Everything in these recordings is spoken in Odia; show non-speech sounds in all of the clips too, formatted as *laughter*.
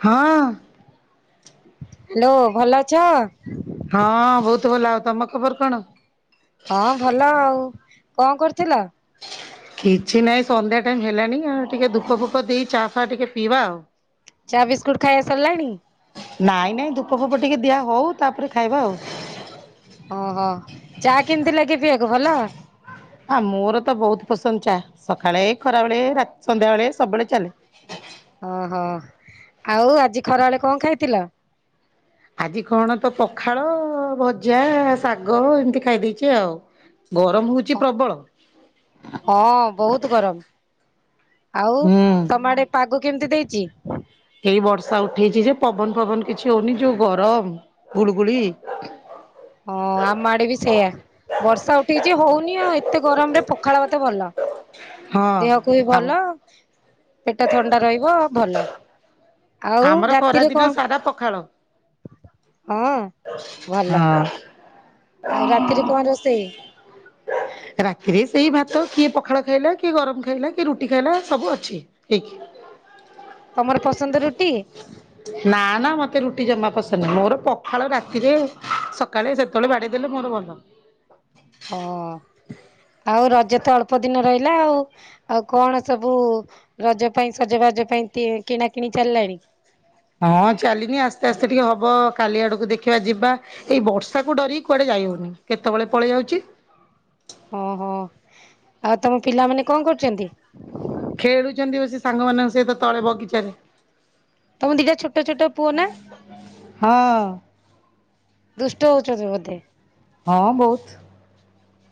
ହଁ ହାଲୋ ଭଲ ଅଛ? ହଁ ବହୁତ ଭଲ ଆଉ ତମ ଖବର କଣ? ହଁ ଭଲ ଆଉ କଣ କରୁଥିଲ? କିଛି ନାହିଁ ସନ୍ଧ୍ୟା ଟାଇମ୍ ହେଲାଣି ଆଉ ଟିକେ ଧୂପ ଫୁଫ ଦେଇ ଚାଫ ଫା ଟିକେ ପିଇବା ଆଉ। ଚା ବିସ୍କୁଟ ଖାଇବା ସରିଲାଣି? ନାଇଁ ନାଇଁ ଧୂପ ଫୁଫ ଟିକେ ଦିଆ ହଉ ତାପରେ ଖାଇବା ଆଉ ଓହୋ ଚା କେମିତି ଲାଗେ ପିଇବାକୁ ଭଲ? ହଁ ମୋର ତ ବହୁତ ପସନ୍ଦ ଚାହା ସକାଳେ ଖରାବେଳେ ସନ୍ଧ୍ୟାବେଳେ ସବୁବେଳେ ଚାଲେ। ଓହୋ ଆଉ ଆଜି ଖରା ବେଳେ କଣ ଖାଇଥିଲ? ଆଜି କଣ ତ ପଖାଳ ଭଜା ଶାଗ ଏମିତି ଖାଇ ଦେଇେଛ ଆଉ। ଗରମ ହଉଛି? ପ୍ରବଳ ହଁ ବହୁତ ଗରମ *unintelligible* ଆଉ ହୁଁ। ତମ ଆଡେ ପାଗ କେମିତି ଦେଇଛି? ଏଇ ବର୍ଷା ଉଠେଇଛି ଯେ ପବନ ଫବନ କିଛି ହଉନି ଯୋଉ ଗରମ ଗୁଳୁଗୁଳି। ହଁ ଆମ ଆଡେ ବି ସେଇଆ। ବର୍ଷା ଉଠେଇଛି ହଉନି ଆଉ ଏତେ ଗରମ ରେ ପଖାଳ ମତେ ଭଲ। ହଁ ଦେହକୁ ବି ଆଉ ଭଲ ପେଟ ଥଣ୍ଡା ରହିବ ଭଲ। ଆଉ ଆମର ଖରା ରାତିରେ ଦିନ ସାରା ପଖାଳ। କଣ? ହଁ ଭଲ ହଁ। ଆଉ ରାତିରେ କଣ ରୋଷେଇ? *inaudible* ରାତିରେ ସେଇ ଭାତ କିଏ ପଖାଳ ଖାଇଲା କିଏ ଗରମ ଖାଇଲା କିଏ ରୁଟି ଖାଇଲା ସବୁ ଅଛି। ହେଇକି। ତମର ପସନ୍ଦ ରୁଟି। ନା ନା ମତେ ରୁଟି ଜମା ପସନ୍ଦ ନୁହଁ ମୋର ପଖାଳ ରାତିରେ ସକାଳେ ସେତେବେଳେ ବାଡ଼େଇ ଦେଲେ ମୋର ଭଲ। ହ ଆଉ ରଜ ତ ଅଳ୍ପ ଦିନ ରହିଲା ଆଉ। ଆଉ କଣ ସବୁ ରଜ ପାଇଁ ସଜବାଜ ପାଇଁ କିଣା କିିଣି ଚାଲିଲାଣି? ହଁ ଚାଲିନି ଆସ୍ତେ ଆସ୍ତେ ଟିକେ ହବ କାଲି ଆଡକୁ ଦେଖିବା ଯିବା। ଏଇ ବର୍ଷାକୁ ଡରିକି କୁଆଡ଼େ ଯାଇହଉନି କେତେବେଳେ ପଳେଇ ଯାଉଛି। ହଁ ହଁ ଆଉ ତମ ପିଲାମାନେ କଣ କରୁଛନ୍ତି। ଖେଳୁଛନ୍ତି ବସି ସାଙ୍ଗମାନଙ୍କ ସହିତ ତଳେ ବଗିଚାରେ। ତମ ର ଦିଟା ଛୋଟ ଛୋଟ ପୁଅ ନା। ହଁ ଦୁଷ୍ଟ ହଉଛନ୍ତି ବୋଧେ। ହଁ ବହୁତ୍।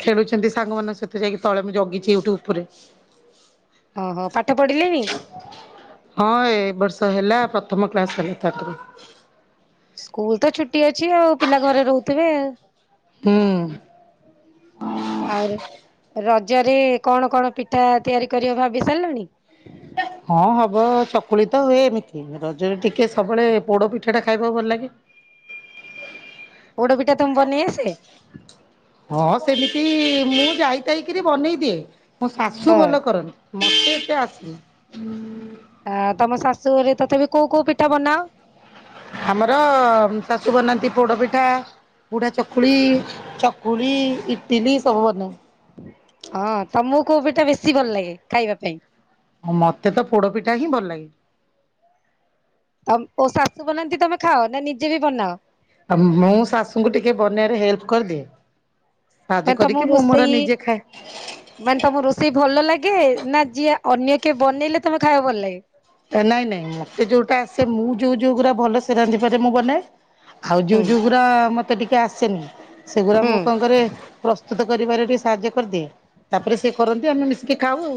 ଖେଳୁଛନ୍ତି ସାଙ୍ଗମାନଙ୍କ ସହିତ ଯାଇ ତଳେ ମୁଁ ଜଗିଛି ଏଉଠୁ ଉପରେ। ଓହୋ, ପାଠ ପଢିଲେଣିି? ହଁ ଏ ବର୍ଷ ହେଲା ପ୍ରଥମ କ୍ଲାସ୍ କଲେ ତାପରେ। ସ୍କୁଲ୍ ତ ଛୁଟି ଅଛି ଆଉ ପିଲା ଘରେ ରହୁଥିବେ? ହୁଁ। ଆଉ ରଜରେ କଣ କଣ ପିଠା ତିଆରି କରିବ ଭାବି ସାରିଲଣି? ହଁ ହବ ଚକୁଳି ତ ହୁଏ ଏମିତି, ରଜରେ ଟିକେ ସବୁବେଳେ ପୋଡ ପିଠା ଟା ଖାଇବାକୁ ଭଲ ଲାଗେ। ପୋଡ଼ ପିଠା ତୋମ ବନେଇ ଆସେ? ହଁ ସେମିତି ମୁଁ ଯାଇତାଇକିରି ବନେଇ ଦିଏ। ମୋ ଶାଶୁ ହଁ ଭଲ କରନ୍ତି, ମୋତେ ଏତେ ଆସିନି। ଅ, ତୋମ ଶାଶୁଘରେ ତଥାପି କୋଉ କୋଉ ପିଠା ବନାଅ? ଆମର ଉଁ, ଶାଶୁ ବନାନ୍ତି ପୋଡ ପିଠା, ବୁଢା ଚକୁଳି, ଚ କୁଳି, ଇଟିଲି ସବୁ ବନା *inaudible* ହଁ ତୋମକୁ କୋଉ ପିଠା ବେଶୀ ଭଲ ଲାଗେ ଖାଇବା ପାଇଁ? ଆଉ ମୋତେ ତ ପୋଡ ପିଠା ହିଁ ଭଲ ଲାଗେ। ଅମ୍, ଓ ଶାଶୁ ବନାନ୍ତି ତୋମେ ଖାଅ ନା ନିଜେ ବି ବନାଅ? ଆଉ ମୁଁ ଶାଶୁଙ୍କୁ ଟିକେ ବନେଇବାରେ ହେଲ୍ପ କରିଦିଏ। ସାହାଯ୍ୟ ମାନେ ତମକୁ କରିକି ମୁଁ ମୋର ରୋଷେଇ ନିଜେ ଖାଏ। ମାନେ ତୋମ ରୋଷେଇ ଭଲ ଲାଗେ ନା ଯିଏ ଅନ୍ୟ କିଏ ବନେଇଲେ ତୋମେ ଖାଇବାକୁ ଭଲ ଲାଗେ? ଅ, ନାଇଁ ନାଇଁ ମୋତେ ଯୋଉଟା ଆସେ ମୁଁ ଯୋଉ ଯୋଉ ଗୁରା ଭଲ ସେ ରାନ୍ଧିପାରେ ମୁଁ ବନାଏ। ଆଉ ହୁଁ ଯୋଉ ଯୋଉଗୁରା ମୋତେ ଟିକେ ଆସେନି, ସେଗୁଡା ହୁଁ ମୁଁ କଣ କରେ ପ୍ରସ୍ତୁତ କରିବାରେ ଟିକେ ସାହାଯ୍ୟ କରିଦିଏ। ତାପରେ ସେ କରନ୍ତି ଆମେ ମିଶିକି ଖାଉ ଆଉ।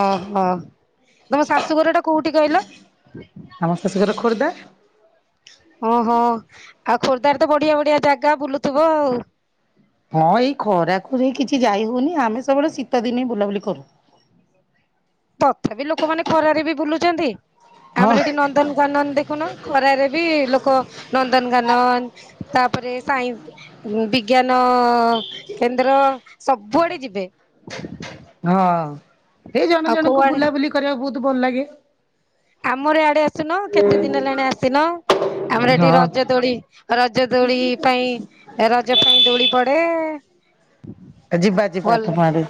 ଓହୋ, ଓ ତୋମ ଶାଶୁଘର ଟା କୋଉଠି କହିଲ? ଆମ ଶାଶୁ ଘର ଖୋର୍ଦ୍ଦା। ଓହୋ, ଆଉ ଖୋର୍ଦ୍ଧାରେ ତ ବଢିଆ ବଢିଆ ଜାଗା ବୁଲୁଥିବ ଆଉ? ହଁ ଏଇ ଖରା ଯୋଉ କିଛି ଯାଇ ହଉନି। ଆମେ ସବୁବେଳେ ଶୀତ ଦିନେ ବୁଲାବୁଲି କରୁ। ତଥାପି ଲୋକମାନେ ଖରାରେ ବି ବୁଲୁଛନ୍ତି। ହଁ ଆମର ସେଠି ନନ ନ୍ଦନକାନନ ଦେଖୁନ ଖରାରେ ବି ଲୋକ ନନ୍ଦନକାନନ ତାପରେ ସାଇନ୍ସ ବିଜ୍ଞାନ କେନ୍ଦ୍ର ସବୁଆଡେ ଯିବେ। ହଁ ଏଇ ଜଣ ଆଉ ଜଣଙ୍କୁ କୋଉଆଡେ ବୁଲାବୁଲି କରିବାକୁ ବହୁତ ଭଲ ଲାଗେ। ଆମର ଇଆଡେ ଆସୁନ କେତେ ଦିନ ହେଲାଣି ଆସିନ। ଆମର ଏଠି ରଜ ହଁ ଦୋଳି ରଜ ଦୋଳି ପାଇଁ ରଜ ପାଇଁ ଦୋଳି ପଡେ। ଏ ଯିବା ଯିବା ତୋମ ଆଡେ।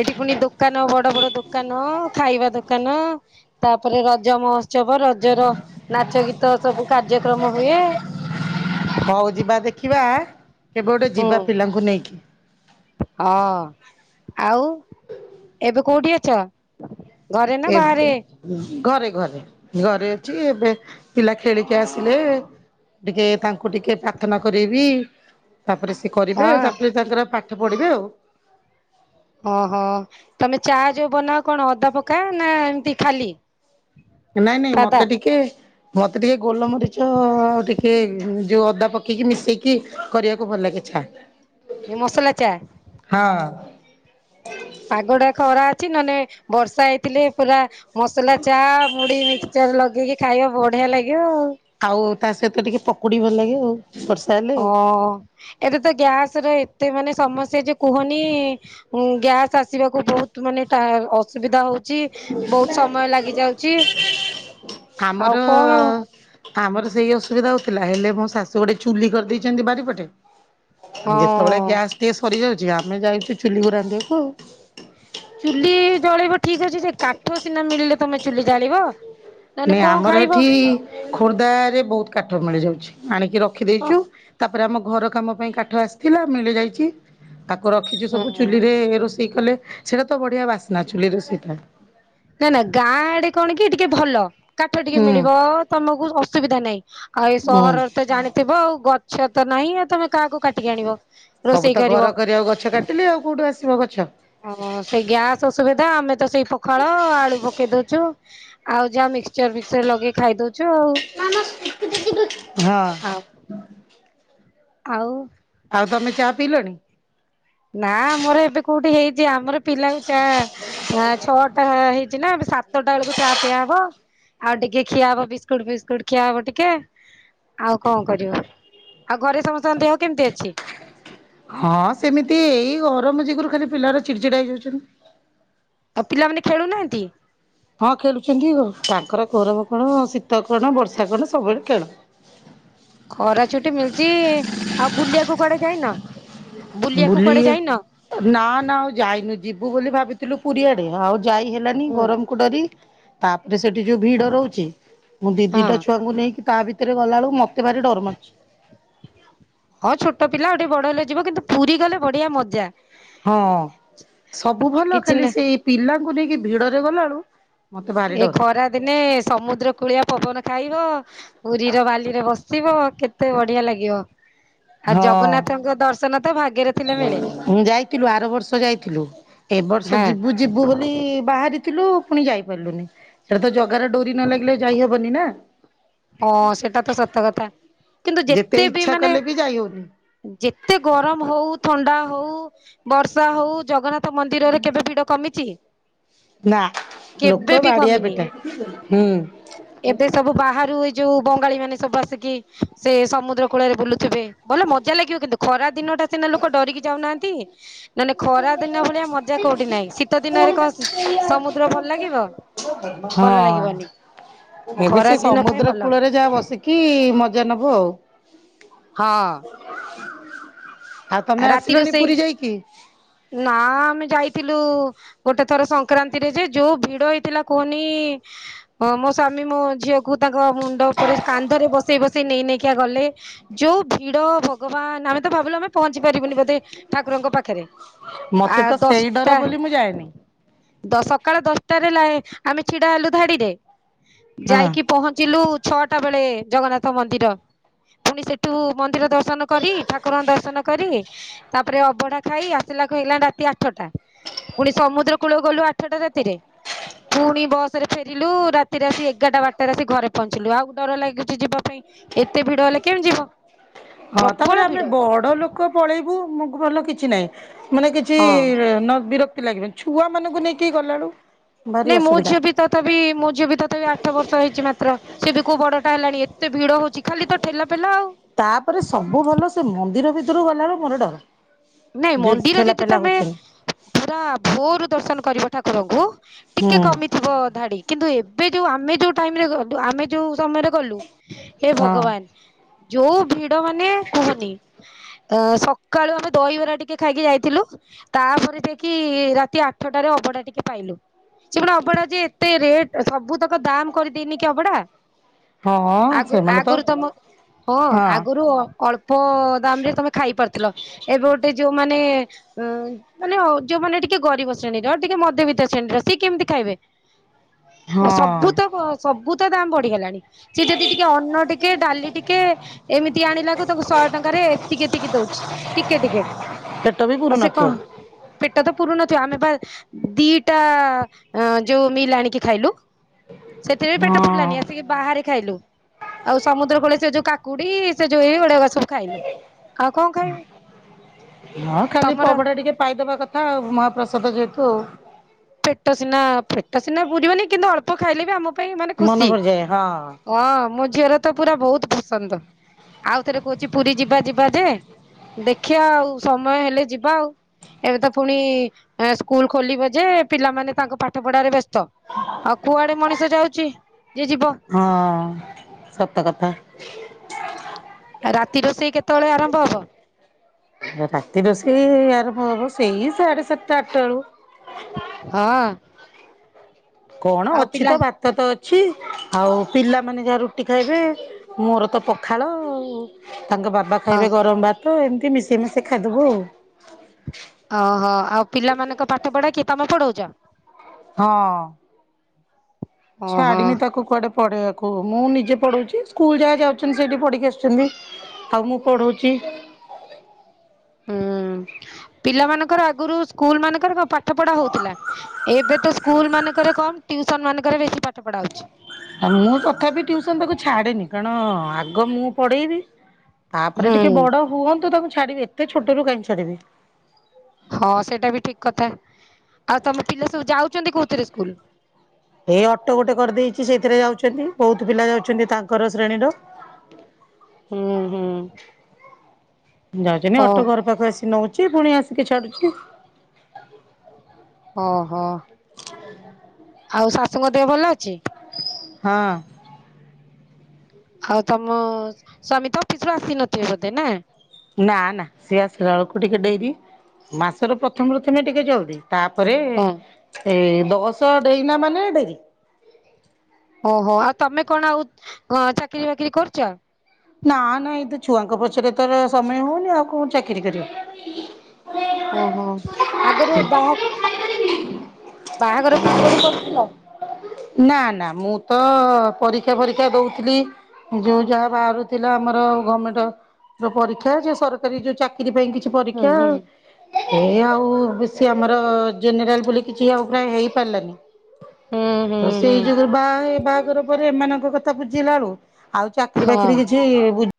ଏଇଠି ପୁଣି ଦୋକାନ ବଡ ବଡ ଦୋକାନ। ଖାଇବା ଦୋକାନ। ତାପରେ ରଜ ମହୋତ୍ସବ। ରଜ ର ନାଚ ଗୀତ ସବୁ କାର୍ଯ୍ୟକ୍ରମ ହୁଏ। ହଉ ଯିବା ଦେଖିବା କେବେ ଗୋଟେ ହୁଁ ଯିବା ପିଲାଙ୍କୁ ନେଇକି। ହଁ ଆଉ ଏବେ କୋଉଠି ଅଛ? ଘରେ ନା କେବେ? ବାହାରେ ଉଁ, ଘରେ ଘରେ ଘରେ ଅଛି ଏବେ ପିଲା ଖେଳିକି ଆସିଲେ। ଟିକେ ତାଙ୍କୁ ଟିକେ ପ୍ରାର୍ଥନା କରେଇବି। ତାପରେ ସେ କରିବେ। ହଁ ତାପରେ ତାଙ୍କର ପା ଠ ପଢିବେ ଆଉ। ଓହୋ, ତୋମେ ଚା ଯୋଉ ବନାଅ କଣ ଅଦା ପକା ନା ଏମିତି ଖାଲି? ନାଇଁ ନାଇଁ ସାଦା ମତେ ଟିକେ ମତେ ଟିକେ ଗୋଲମରିଚ ଆଉ ଟିକେ ଯୋଉ ଅଦା ପକେଇକି ମିଶେଇକି କରିବାକୁ ଭଲ ଲାଗେ। ଚ୍ଛା। ଏ ମୁସଲା ଚା। ହଁ। ପାଗ ଟା ଖରା ଅଛି ନହେଲେ ବର୍ଷା ହେଇଥିଲେ ପୁରା ମସଲା ଚା ମୁଡି ମିକସ ଚର ଲଗେଇକି ଖାଇବ ବଢିଆ ଲାଗିବ ଆଉ। ଆଉ ତା ସହିତ ଟିକେ ପକୁଡି ଭଲ ଲାଗିବ ଆଉ ବ ଓ ଏଟା ତ ଗ୍ୟାସ ର ଏତେ ମାନେ ସମସ୍ୟା ଯେ କୁହନି। ଉ ଗ୍ୟାସ୍ ଆସିବାକୁ ବହୁତ ମାନେ ତା ଅସୁବିଧା ହଉ ଚି ବହୁତ ସମୟ ଲାଗି ଯାଉଛି ଆମର ଆଉ କଣ? ଆମର ସେଇ ଅସୁବିଧା ହଉଥିଲା ହେଲେ ମୋ ଶାଶୁ ଗୋଟେ ଚୁଲି କରିଦେଇଛନ୍ତି ବାରିପଟେ। ଯେତେବେଳେ ହଁ ଗ୍ୟାସ୍ ଟିକେ ସରିଯାଉଛି ଆମେ ଯାଇଛୁ ଚୁଲିକୁ ରାନ୍ଧିବାକୁ ଆଉ। ଚୁଲି ଜଳିବ ଠିକ ଅଛି ଯେ କାଠ ସିନା ମିଳିଲେ ତମେ ଚୁଲି ଜାଳିବ। ନହେଲେ ନାଇଁ କଣ ଆମର ଖାଇବ ଏଠି ଖୋର୍ଦ୍ଧ ରେ ବହୁତ କାଠ ମିଳିଯାଉଛି ଆଣିକି ତ ରଖିଦେଇଛୁ ତା ତାପରେ ଆମ ଘର କାମ ପାଇଁ କାଠ ଆସିଥିଲା ମିଳି ଯାଇଛି ତାକୁ ରଖିଛି ସବୁ ଚୁଲିରେ ରୋଷେ ଇ କଲେ ସେଇଟା ତ ବଢିଆ ବାସ୍ନା ଚୁଲି ରୋଷେଇ ଟା। ନା ନା ଗାଁ ଆଡେ କଣ କି ଟିକେ ଭଲ କାଠ ଟିକେ ହୁଁ ମିଳିବ ତମକୁ ଅସୁବିଧା ନାଇଁ‌। ଆଉ ଏ ହୁଁ ସହରରେ ତ ଜାଣିଥିବ ଆଉ ଗଛ ତ ନାହିଁ ଆଉ ତମେ କାହାକୁ କାଟିକି ଆଣିବ? ସବୁ ରୋଷେଇ ତ କରିବ ଘର କରିବାକୁ ଗଛ କାଟିଲେ ଆଉ କୋଉଠୁ ଆସିବ ଗଛ? ସେଇ ଗ୍ୟାସ ଅସୁବିଧା ଆମେ ତ ସେଇ ପଖାଳ ଆଳୁ ପକେଇ ଦଉଛୁ। ଆଉ ଯାହା ମିକ୍ସଚର ଫିକଚର ଲଗେଇ ଖାଇ ଦଉଛୁ ଆଉ। ହଁ। ଆଉ ଆଉ ଆଉ ତମେ ଚା ପିଇଲଣି? ନା ଆମର ଏବେ କୋଉଠି ହେଇଛି ଆମର ପିଲାକୁ ଚା ଛଅଟା ହେଇଛି ନା ଏବେ ସାତଟା ବେଳକୁ ଚା ପିଆହବ। ଆଉ ଟିକେ ଖିଆହବ ବିସ୍କୁଟ ଫିସ୍କୁଟ ଖିଆ ହବ ଟିକେ ଆଉ କଣ କରିବ ଆଉ ଘରେ ସମସ୍ତଙ୍କ ଦେହ କେମିତି ଅଛି? ହଁ ସେମିତି ଏଇ ଗରମ ଯୋଗୁରୁ ଖାଲି ପିଲାର ଚିଡିଚିଡା ହେଇଯାଉଛନ୍ତି। ଆଉ ପିଲାମାନେ ଖେଳୁନାହାଁନ୍ତି? ହଁ ଖେଳୁଛନ୍ତି ତାଙ୍କର ଗରମ କଣ ଶୀତ କଣ ବର୍ଷା କଣ ସବୁବେଳେ ଖେଳ। ଖରା ଛୁଟି ମିଳଛି ଆଉ ବୁଲିଆକୁ କୁଆଡେ ଯାଇନ? ବୁଲିବାକୁ କୁଆଡେ ଯାଇନ ବୁଲିକି ନା ନା ଆଉ ଯାଇନୁ ଯିବୁ ବୋଲି ଭାବିଥିଲୁ ପୁରୀଆଡେ ଆଉ ଯାଇ ହେଲାନି ହୁଁ ଗରମ କୁ ଡରି ତାପରେ ସେଠି ଯୋଉ ଭିଡ ରହୁଛି ମୁଁ ହଁ। ଦିଦିଟା ଛୁଆଙ୍କୁ ନେଇକିରି ତା ଭିତରେ ଗଲାବେଳୁ ମତେ ଭାରି ଡର ମାରୁଚି। ହଁ ଛୋଟ ପିଲା ଆଉ ଟିକେ ବଡ ହେଲେ ଯିବ କିନ୍ତୁ ପୁରୀ ଗଲେ ବଢିଆ ମଜା। ହଁ ସବୁ ଭଲ କିଛି ଖାଲି ନା ସେଇ ପିଲାଙ୍କୁ ନେଇକି ଭିଡରେ ଗଲା ଳୁ ଏ ଖରାଦିନେ ସମୁଦ୍ର କୂଳିଆ ପବନ ଖାଇବ। ପୁରୀର ବାଲିରେ ବସିବ କେତେ ବଢିଆ ଲାଗିବ। ହା ଜଗନ୍ନାଥଙ୍କ ଦର୍ଶନ ତ ଭାଗ୍ୟରେ ଥିଲେ ମିଳେ ମୁଁ ଯାଇଥିଲୁ ଆର ବର୍ଷ ଯାଇଥିଲୁ ଏ ବର୍ଷ ହଁ ଯିବୁ ଯିବୁ ବୋଲି ବାହାରିଥିଲୁ ପୁଣି ଯାଇପାରିଲୁନି ସେଇଟା ତ ଜଗାର ଡୋରି ନ ଲାଗିଲେ ଯାଇ ହେବନି ନା। ହଁ ସେଟା ତ ସତ କଥା, କିନ୍ତୁ ଯେତେ ବି ଇଚ୍ଛା ମାନେ କଲେ ଯାଇ ହଉନି। ଯେତେ ଗରମ ହଉ, ଥଣ୍ଡା ହଉ, ବର୍ଷା ହଉ, ଜଗନ୍ନାଥ ଥ ମନ୍ଦିରରେ କେବେ ଭିଡ଼ କମିଚି? ନା ଲୋକ ବାଡ଼ିଆ ପିଟା, ହୁଁ। ଏବେ ସବୁ ବାହାର ଯୋଉ ଏଇ ଯୋଉ ବଙ୍ଗାଳୀ ମାନେ ସବୁ ଆସିକି ସେ ସମୁଦ୍ର କୂଳରେ ବୁଲୁଥିବେ ଭଲ ମଜା ଲାଗିବ କିନ୍ତୁ। ଖରା ଦିନଟା ସିନା ଲୋକ ଡରିକି ଯାଉନାହାନ୍ତି। ନହନେ ଖରାଦିନ ଭଳିଆ ମଜା କୋଉଠି ନାହିଁ, ଶୀତ ହଁ ଦିନରେ କସ୍ ସମୁଦ୍ର ଭଲ ଲାଗିବ? ହଁ, ଭଲ ଲାଗିବନି ଏବେ ଖରା ସେ ଦିନ ସମୁ ପାଇଁ ମୁଦ୍ର ଭଲ କୂଳରେ ଯାହା ବସିକି ମଜା ନବୁ ଆଉ। ହଁ *inaudible* ରାତି ଆସିଲଣି ରୋଷେଇ? ପୁରୀ ଯାଇକି ନା ଆମେ ଯାଇଥିଲୁ ଗୋଟେ ଥର ସଂକ୍ରାନ୍ତିରେ ଯାଇଚୁ ଯୋଉ ଭିଡ ହେଇଥିଲା କୁହନି ଅ ମୋ ସ୍ଵାମୀ ମୋ ଝିଅ କୁ ତାଙ୍କ ମୁଣ୍ଡ ଉପରେ କାନ୍ଧରେ ବସେଇ ବସେଇ ନେଇ ନେଇକି କିଆ ଗଲେ ଯୋଉ ଭିଡ଼ ଭଗବାନ ଆମେ ତ ଭାବିଲୁ ଆମେ ପହଞ୍ଚି ପାରିବୁନି ବୋଧେ ଠାକୁରଙ୍କ ପାଖରେ। ଆ ମତେ ତ ସେଇ ଦଶଟା ଡର ବୋଲି ମୁଁ ଯାଏନି। ଦ ସକାଳ ଦଶଟାରେ ଲାଇ ଆମେ ଛିଡାହେଲୁ ଧାଡିରେ, ହଁ। ଯାଇକି ପହଞ୍ଚିଲୁ ଛଅଟା ବେଳେ ଜଗନ୍ନାଥ ମନ୍ଦିର ପୁଣି ସେଠୁ ମନ୍ଦିର ଦର୍ଶନ କରି ଠାକୁରଙ୍କ ଦର୍ଶନ କରି ତାପରେ ଅବଢ଼ା ଖାଇ ଆସିଲାକୁ ହେଲା ରାତି ଆଠଟା। ପୁଣି ସମୁଦ୍ର କୂଳକୁ ଗଲୁ ଆଠଟା ରାତିରେ। ପୁଣି ବସ୍ ରେ ଫେରିଲୁ ରାତିରେ ଆସି ଏଗାରଟା ବାରଟାରେ ଆସି ଘରେ ପହଞ୍ଚିଲୁ ଆଉ ଡର ଲାଗୁଛି ଯିବା ପାଇଁ। ଏତେ ଭିଡ ହେଲେ କେମିତି ଯିବୁ? ହଁ ତାପରେ ଆମେ ବଡ ଲୋ କ ପଳେଇବୁ ମୁଗ୍ ଭଲ କିଛି ନାହିଁ ମାନେ କିଛି ହଁ ନଲେ ବିରକ୍ତି ଲାଗିବନି। ଛୁଆମାନଙ୍କୁ ନେଇକି ଗଲା ବେଳୁ ନାଇଁ ମୋ ଝିଅ ବି ତଥାବି ମୋ ଝିଅ ବି ତଥାବି ଆଠ ବର୍ଷ ହେଇଛି ମାତ୍ର, ସେବି କୋଉ ବଡଟା ହେଲାଣି ଏତେ ଭିଡ ହଉଛି ଖାଲି ତ ଠେଲା ପେଲା ଆଉ। ତାପରେ ସବୁ ଭଲ ସେ ମନ୍ଦିର ଭିତରକୁ ଗଲାବେଳୁ ମୋର ଡର। ନାଇଁ ଯୋଉ ମନ୍ଦିର ଠେଲା ଯଦି ପେଲା ତମେ ହଉଛନ୍ତି ପୁରା ଭୋରୁ ଦର୍ଶନ କରିବ ଠାକୁରଙ୍କୁ ହୁଁ ଟିକେ କମି ଥିବ ଧାଡି, କିନ୍ତୁ ଏବେ ଯୋଉ ଆମେ ଯୋଉ ଟାଇମରେ ଗ ବ୍ ଆମେ ଯୋଉ ସମୟରେ ଗଲୁ ହେ ହଁ। ଭଗବାନ ଯୋଉ ଭିଡ଼ ମାନେ କୁହନି ଅ ସକାଳୁ ଆମେ ଦହିବରା ଟିକେ ଖାଇକି ଯାଇଥିଲୁ ତାପରେ ଯାଇକି ରାତି ଆଠଟାରେ ଅଭଡ଼ା ଟିକେ ପାଇଲୁ। ସେ ପୁଣି ଅଭଡା ଯେ ଏତେ ରେଟ ସବୁ ତକ ଦାମ୍ କରିଦେଇନି କି ଅଭଡା? ହଁ ଆଗୁ ସେମାନେ ତ ଆଗରୁ ତମ, ହଁ ଆଗରୁ ଅଳ୍ପ ପ ଦାମରେ ତମେ ଖାଇ ପାରୁଥିଲ ଏବେ ଗୋଟେ ଯୋଉମାନେ ଉ ମାନେ ଅ ଯୋଉମାନେ ଟିକେ ଗରିବ ଶ୍ରେଣୀରେ ଟିକେ ମଧ୍ୟବିତ୍ତ ଶ୍ରେଣୀର ସିଏ କେମିତି ଖାଇବେ? ଓ ହଁ ସବୁତକ ସବୁତ ଦାମ୍ ବଢିଗଲାଣି। ସିଏ ଯଦି ଟିକେ ଅନ୍ନ ଟିକେ ଡ଼ାଲି ଟିକେ ଏମିତି ଆଣିଲାକୁ ତାକୁ ଶହେ ଟଙ୍କାରେ ଏତିକି ଏତିକି ଦଉଛି। ଟିକେ ଟିକେ, ପେଟ ବି ପୁରୁ ଆଉ ସେ କଁ ନଥିବ। ପେଟ ତ ପୁରୁନଥିବ ଆମେପା ଦିଇଟା ଅଁ ଯୋଉ ମିଲ୍ ଆଣିକି ଖାଇଲୁ। ସେଥିରେ ବି ପେଟ ହଁ ପୁରିଲାନି ଆସିକି ବାହାରେ ଖାଇଲୁ ଆଉ ସମୁଦ୍ର କୂଳ ସେ ଯୋଉ କା କୁଡି ସେ ଯୋଉ ଇଏ ଗୁଡାକ ସବୁ ଖାଇଲୁ ଆଉ କଣ ଖାଇବୁ। ହଁ ଖାଲି ତମର ପଭଡା ଟିକେ ପାଇଦବା କଥା ଆଉ ମହାପ୍ରସାଦ ଯେହେତୁ ଆଉ। ପେଟ ସିନା ପେଟ ସିନା ପୁରି ବନି କିନ୍ତୁ ଅଳ୍ପ ଖାଇଲେ ବି ଆମ ପାଇଁ ମାନେ ମନେ ଖୁସି। ପଡିଯାଏ ହଁ ହଁ ମୋ ଝିଅର ତ ପୁରା ବୋହୁତ ଫସନ୍ଦ ଆଉ ଥରେ କୋହୁଚି ପୁରି ଯିବା ଯିବା ଯେ ଦେଖିବା ଆଉ ସମୟ ହେଲେ ଯିବା ଆଉ। ଏବେ ତ ପୁଣି ଏଁ ସ୍କୁଲ ଖୋଲିବ ଯେ ପିଲାମାନେ ତାଙ୍କ ପାଠ ପଢାରେ ବ୍ୟସ୍ତ ଆଉ କୁଆଡେ ମଣିଷ ଯାଉଚି ଯେ ଯିବ। ହଁ ସତ କଥା। ରାତି ରୋଷେଇ କେତେବେଳେ ଆରମ୍ଭ ହବ? ରାତି ରୋଷେଇ ଆରମ୍ଭ ହବ ସେଇ ସାଢେ ସାତଟା ଆଠଟା ବେଳକୁ ହଁ। କଣ ଆଉ ଅଛି ପିଲା ତ ଭାତ ତ ଅଛି ଆଉ ପିଲାମାନେ ଯାହା ରୁଟି ଖାଇବେ। ମୋର ତ ପଖାଳ ଆଉ ତାଙ୍କ ବାବା ହଁ ଖାଇବେ ଗରମ ଭାତ ଏମିତି ମିଶେଇ ମିଶେଇ ଖାଇଦୋବୁ। ଓହୋ ଆଉ ପିଲାମାନଙ୍କ ପାଠ ପଢା କିଏ ତମେ ପଢୋଉଚ? ହଁ। ଓହୋ ଛାଡିନି ତାକୁ କୁଆଡେ ପଢେଇବାକୁ ମୁଁ ନିଜେ ପଢୋଉଚି ସ୍କୁଲ ଯାହା ଯାଉଚନ୍ତି ସେଇଠି ପଢିକି ଆସୁଚନ୍ତି। ଆଉ ମୁଁ ପଢୋଉଚି। ହୁଁ ପିଲାମାନଙ୍କର ଆଗରୁ ସ୍କୁଲ ମାନଙ୍କର କଣ ପାଠ ପଢା ହୋଉଥିଲା ଏବେ ତ ସ୍କୁଲ ମାନଙ୍କରେ କମ୍ ଟିଉସନ ମାନଙ୍କରେ ବେଶୀ ପାଠ ପଢା ହୋଉଚି। ଆ ମୁଁ ତଥାପି ଟ୍ୟଉସନ୍ ତାକୁ ଛାଡେନି କାରଣ ଆଗ ମୁଁ ପଢେଇବି। ତାପରେ ହୁଁ ଟିକେ ବଡ ହୁଅନ୍ତୁ ତାକୁ ଛାଡିବି। ଏତେ ଛୋଟରୁ କାହିଁକି ଛାଡିବି। ହଁ ସେଟା ବି ଠିକ୍ କଥା। ଆଉ ତମେ ପିଲା ସବୁ ଯାଉଚନ୍ତି କୋଉଥିରେ ସ୍କୁଲ? ଏ ଅଟୋ ଗୋଟେ କରିଦେଇଚି ସେଇଥିରେ ଯାଉଚନ୍ତି ବୋହୁତ ପିଲା ଯାଉଚନ୍ତି ତାଙ୍କର ଶ୍ରେଣୀର। ହୁଁ ହୁଁ। ଯାଉଚନ୍ତି ହଁ ଅଟୋ ଘର ପାଖକୁ ଆସି ନୋଉଚି ଫୁଣି ଆସିକି ଛାଡୁଚି। ଓହୋ। *inaudible* ଆଉ ଶାଶୁଙ୍କ ଦେହ ଭଲ ଅଛି? ହଁ। ଆଉ ତମ ସ୍ଵାମୀ ତ ଅଫିସରୁୁ ଆସିନଥିବେ ବୋଧେ ନା? ନା ନା ସିଏ ଆସିଲା ବେଳକୁ ଟିକେ ଡେରି ମାସର ପ୍ରଥମେ ପ୍ରଥମେ ଟିକେ ଜଲଦି ତାପରେ ହଁ ସେ ଦଶ ଡେଇଁନା ମାନେ ଡେରି। ଓହୋ ଆଉ ତମେ କଣ ଆଉ ଅଁ ଚାକିରି ବାକିରି କରୁଚ? ନା ନା ଏଇ ତ ଛୁଆଙ୍କ ପଛରେ ତାର ସମୟ ହୋଉନି ଆଉ କୋଉ ଚାକିରି କରିବ। ଓହୋ ଆଗରୁ ବାହା ବାହାଘର ପୂର୍ବରୁ କରୁଥୁଲ? ନା ନା ମୁଁ ତ ପରୀକ୍ଷା ପରୀକ୍ଷା ଦୋଉଥିଲି। ଯୋଉ ଯାହା ବାହାରୁଥିଲା ଆମର ଗମେଣ୍ଟ ଳର ପରୀକ୍ଷା ଯୋଉ ସର କାରୀ ଯୋଉ ଚାକିରି ପାଇଁ କିଛି ହୁଁ ପରୀକ୍ଷା ହୁଁ ସେ ଆଉ ବେଶୀ ଆମର ଜେନେରାଲ ବୋଲି କିଛି ଆଉ ପ୍ରାୟ ହେଇପାରିଲାନି। ହୁଁ। ହୁଁ ତ ହୁଁ ସେଇ ଯୋଗୁରୁ ବାହାହେ-ବାହାଘର ପରେ ଏମାନଙ୍କ କଥା ବୁଝିଲା ବେଳୁ ଆଉ ଚାକିରି ହଁ। ବାକିରି କିଛି ଯେ ବୁଝି